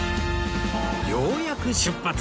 ようやく出発